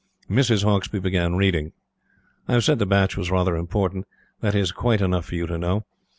Mrs. Hauksbee began reading. I have said the batch was rather important. That is quite enough for you to know.